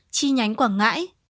chi nhánh quảng ngãi